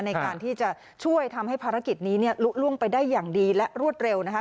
ในการที่จะช่วยทำให้ภารกิจนี้ลุล่วงไปได้อย่างดีและรวดเร็วนะคะ